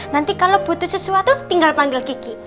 nanti kalau butuh sesuatu tinggal panggil gigi